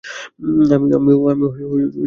আমিও খুশি হলাম।